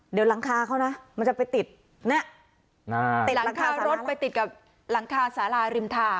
เดี๋ยวหลังคาเขานะมันจะไปติดเนี่ยติดหลังคารถไปติดกับหลังคาสาราริมทาง